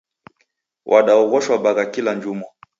Wandaoghoshwa bagha kila juma.